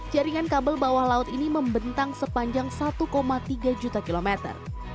jaringan kabel bawah laut ini membentang sepanjang satu tiga juta kilometer